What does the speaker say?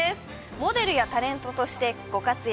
モデルやタレントとしてご活躍。